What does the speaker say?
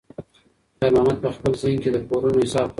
خیر محمد په خپل ذهن کې د پورونو حساب کاوه.